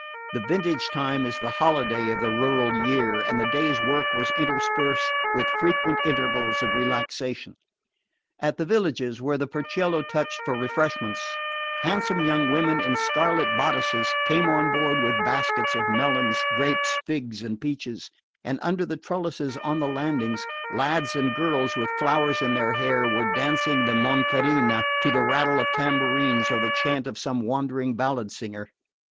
The vintage time is the holiday of the rural year and the day's work was interspersed with frequent intervals of relaxation. At the villages where the burchiello touched for refreshments, handsome young women in scarlet bodices came on board with baskets of melons, grapes, figs and peaches; and under the trellises on the landings, lads and girls with flowers in their hair were dancing the monferrina to the rattle of tambourines or the chant of some wandering ballad singer.